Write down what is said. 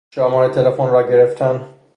شماره تلفن را گرفتن